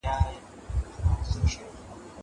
که وخت وي، مرسته کوم!